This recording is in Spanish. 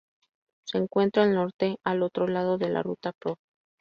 Se encuentra al norte, al otro lado de la ruta prov.